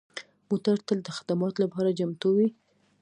موټر تل د خدماتو لپاره چمتو وي.